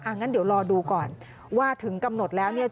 งั้นเดี๋ยวรอดูก่อนว่าถึงกำหนดแล้วเนี่ย